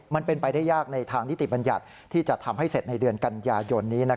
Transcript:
มันเป็นไปได้ยากในทางนิติบัญญัติที่จะทำให้เสร็จในเดือนกันยายนนี้